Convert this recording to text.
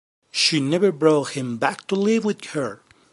She never brought him back to live with her.